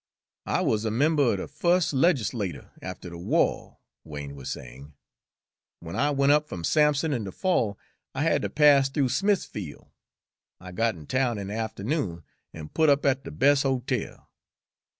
"I wuz a member er de fus' legislatur' after de wah," Wain was saying. "When I went up f'm Sampson in de fall, I had to pass th'ough Smithfiel', I got in town in de afternoon, an' put up at de bes' hotel.